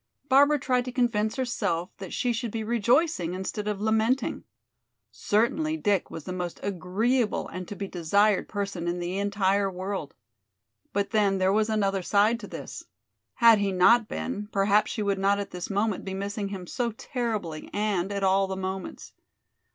Barbara tried to convince herself that she should be rejoicing instead of lamenting. Certainly Dick was the most agreeable and to be desired person in the entire world. But then there was another side to this! Had he not been, perhaps she would not at this moment be missing him so terribly and at all the moments.